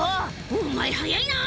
お前、速いな。